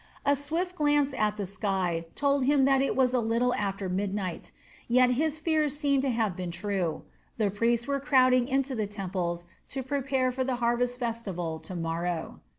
A swift glance at the sky told him that it was a little after midnight, yet his fears seemed to have been true the priests were crowding into the temples to prepare for the harvest festival to morrow.